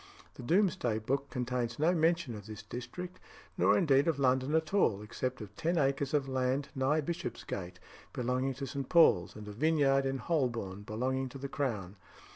The Doomsday Book contains no mention of this district, nor indeed of London at all, except of ten acres of land nigh Bishopsgate, belonging to St. Paul's, and a vineyard in Holborn, belonging to the Crown.